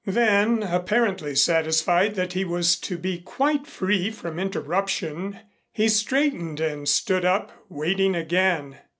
Then, apparently satisfied that he was to be quite free from interruption, he straightened and stood up, waiting again.